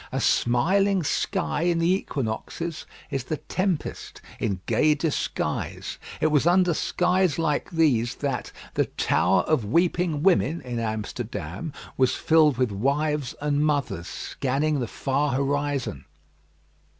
A smiling sky in the equinoxes is the tempest in gay disguise. It was under skies like these that "The Tower of Weeping Women," in Amsterdam, was filled with wives and mothers scanning the far horizon.